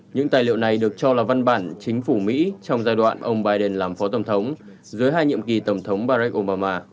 những tài liệu này được cho là văn bản chính phủ mỹ trong giai đoạn ông biden làm phó tổng thống dưới hai nhiệm kỳ tổng thống barekobama